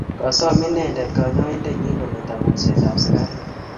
Kosom inendet kanyaindennyi kometo kulset ap sigaret.